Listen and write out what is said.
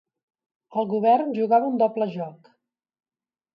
El Govern jugava un doble joc